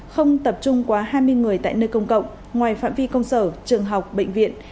không tập trung quá hai mươi người tại nơi công cộng ngoài phạm vi công sở trường học bệnh viện